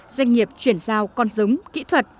doanh nghiệp chuyển giao con giống kỹ thuật